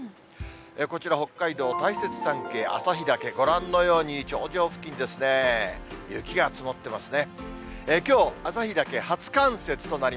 こちら、北海道、大雪山系、旭岳、ご覧のように頂上付近ですね、雪が積もってますね。